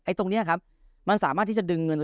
ตรงนี้ครับมันสามารถที่จะดึงเงิน